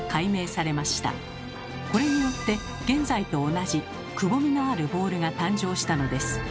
これによって現在と同じくぼみのあるボールが誕生したのです。